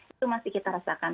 itu masih kita rasakan